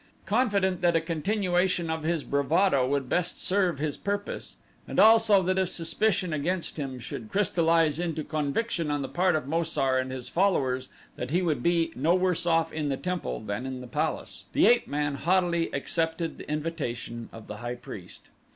Confident that a continuation of his bravado would best serve his purpose, and also that if suspicion against him should crystallize into conviction on the part of Mo sar and his followers that he would be no worse off in the temple than in the palace, the ape man haughtily accepted the invitation of the high priest.